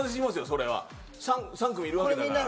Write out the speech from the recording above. それは３組いるわけだから。